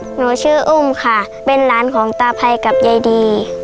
หนูชื่ออุ้มค่ะเป็นหลานของตาภัยกับยายดี